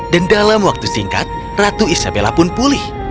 dan dalam waktu singkat ratu isabella pun pulih